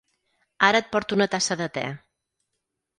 Ara et porto una tassa de te.